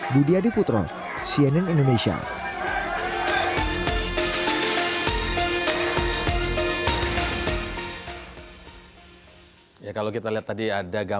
budi adiputro cnn indonesia